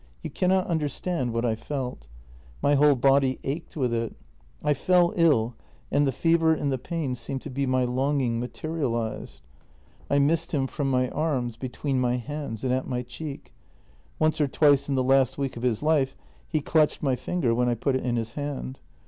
You cannot understand what I felt. My whole body ached with it. I fell ill, and the fever and the pain seemed to be my longing materialized. I missed him from my arms, be tween my hands, and at my cheek. Once or twice in the last week of his life he clutched my finger when I put it in his hand.